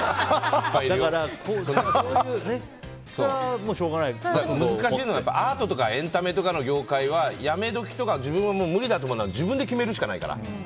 だから、そういうのは難しいのがアートとかエンタメとかの業界は辞め時とか自分が無理だと思うのは自分で決めるしかないから。